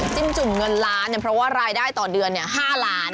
จิ้มจุ่มเงินล้านเนี่ยเพราะว่ารายได้ต่อเดือนเนี่ย๕ล้าน